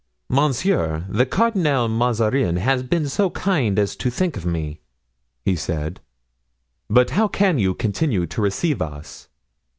"Monsieur, the Cardinal Mazarin has been so kind as to think of me," he said. "But how can you continue to receive us?"